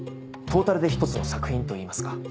トータルで一つの作品といいますか。